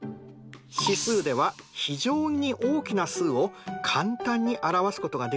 指数では非常に大きな数を簡単に表すことができるようになるんですよ。